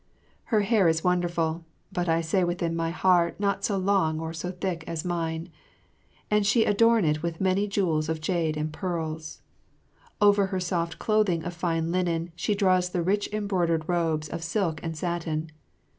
Her hair is wonderful (but I say within, my hearty not so long or so thick as mine), and she adorn it with many jewels of jade and pearls. Over her soft clothing of fine linen she draws the rich embroidered robes of silk and satin.